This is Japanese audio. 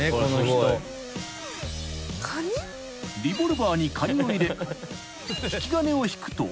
［リボルバーにカニを入れ引き金を引くと］